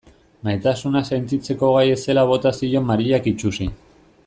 Maitasuna sentitzeko gai ez zela bota zion Mariak itsusi.